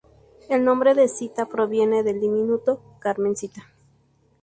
El nombre de Sita proviene del diminutivo Carmencita.